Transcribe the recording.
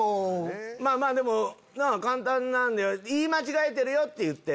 まぁでも簡単なんで「言い間違えてるよ」って言って。